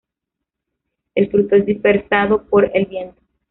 El fruto es dispersado por el viento.